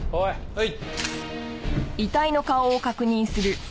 はい。